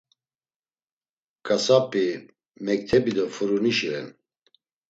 Ǩasap̌i, mektebi do furunişi ren.